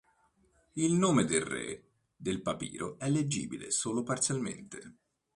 Il nome del re del papiro è leggibile solo parzialmente.